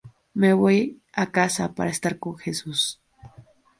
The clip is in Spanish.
Me voy a casa para estar con Jesús.